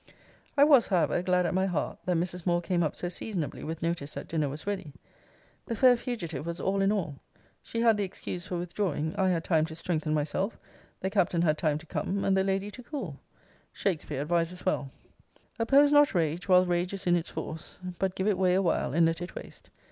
I was, however, glad at my heart that Mrs. Moore came up so seasonably with notice that dinner was ready. The fair fugitive was all in all. She had the excuse for withdrawing, I had time to strengthen myself; the Captain had time to come; and the lady to cool. Shakspeare advises well: Oppose not rage, whilst rage is in its force; But give it way awhile, and let it waste.